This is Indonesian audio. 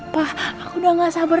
wah aku udah gak sabar